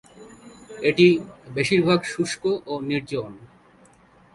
এটি বেশিরভাগ শুষ্ক ও নির্জন।